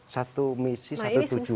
satu misi satu tujuan